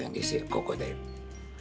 ここで。